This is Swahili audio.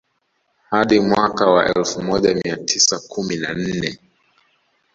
Hadi mwaka wa elfu moja mia tisa kumi na nne